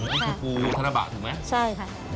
คือกูเซนบะถูกไหม